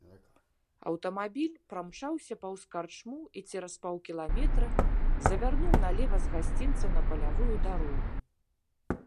Аўтамабіль прамчаўся паўз карчму і цераз паўкіламетра завярнуў налева з гасцінца, на палявую дарогу.